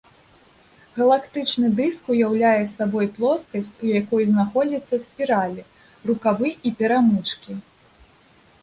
Галактычны дыск уяўляе сабой плоскасць, у якой знаходзяцца спіралі, рукавы і перамычкі.